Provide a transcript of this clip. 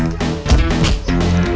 lu semua dengar